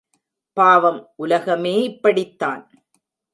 பாவம் உலகமே இப்படித்தான்.